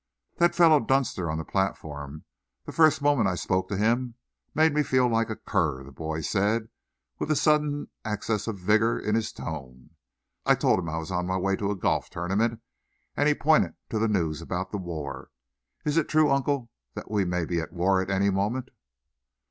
"That fellow Dunster, on the platform, the first moment I spoke to him, made me feel like a cur," the boy said, with a sudden access of vigour in his tone. "I told him I was on my way to a golf tournament, and he pointed to the news about the war. Is it true, uncle, that we may be at war at any moment?"